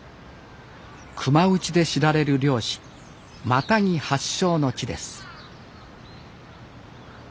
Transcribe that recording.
熊撃ちで知られる猟師「マタギ」発祥の地です